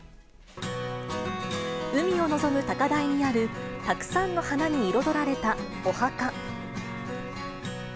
海を望む高台にある、たくさんの花に彩られたお墓。